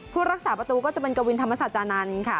รักษาประตูก็จะเป็นกวินธรรมศาจานันทร์ค่ะ